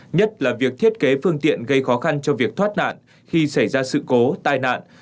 nhất là việc thiết kế phương tiện gây khó khăn cho việc thoát nạn khi xảy ra sự cố tai nạn